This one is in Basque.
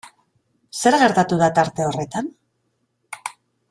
Zer gertatu da tarte horretan?